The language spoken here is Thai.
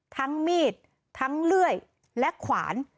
ทั้งมีดทั้งเลื่อยและขวาน